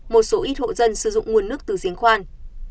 một số ít hộ dân sử dụng nguồn nước từ giếng khoan